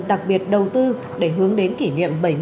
đặc biệt đầu tư để hướng đến kỷ niệm